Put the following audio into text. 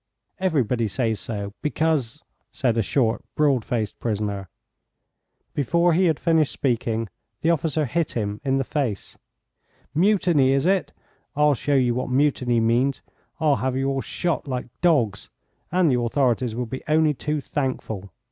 "Everybody says so, because " said a short, broad faced prisoner. Before he had finished speaking the officer hit him in the face. "Mutiny, is it? I'll show you what mutiny means. I'll have you all shot like dogs, and the authorities will be only too thankful.